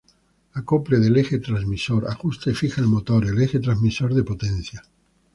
Acople del Eje Transmisor: ajusta y fija al motor, el eje transmisor de potencia.